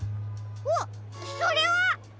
あっそれは！